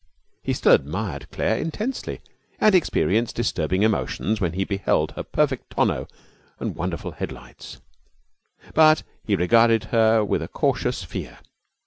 He still admired Claire intensely and experienced disturbing emotions when he beheld her perfect tonneau and wonderful headlights; but he regarded her with a cautious fear.